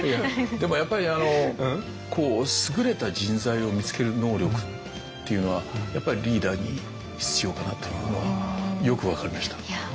でもやっぱり優れた人材を見つける能力っていうのはやっぱりリーダーに必要かなというのはよく分かりました。